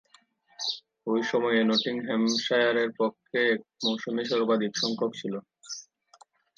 ঐ সময়ে নটিংহ্যামশায়ারের পক্ষে এক মৌসুমে সর্বাধিকসংখ্যক ছিল।